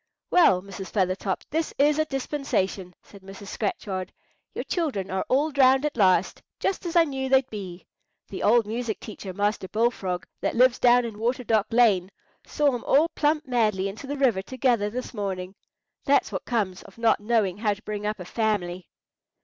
"Well, Mrs. Feathertop, this is a dispensation!" said Mrs. Scratchard. "Your children are all drowned at last, just as I knew they'd be. The old music teacher, Master Bullfrog, that lives down in Water Dock Lane, saw 'em all plump madly into the water together this morning. That's what comes of not knowing how to bring up a family!"